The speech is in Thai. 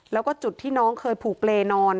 แล้วก็จุดที่น้องเคยผูกเลนอน